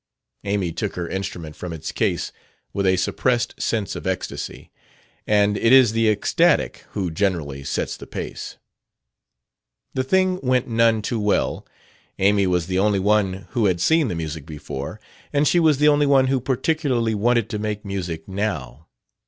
Amy took her instrument from its case with a suppressed sense of ecstasy; and it is the ecstatic who generally sets the pace. The thing went none too well. Amy was the only one who had seen the music before, and she was the only one who particularly wanted to make music now.